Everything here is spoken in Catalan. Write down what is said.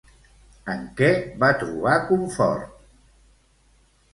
En què va trobar confort?